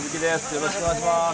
よろしくお願いします